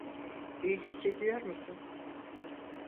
İyi hissediyor musun?